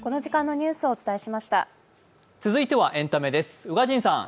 続いてはエンタメです。